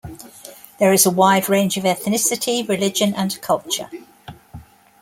There is a wide range of ethnicity, religion, and culture.